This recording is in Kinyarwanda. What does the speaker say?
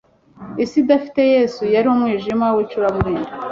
Isi idafite Yesu, yari umwijima w'icuraburindi.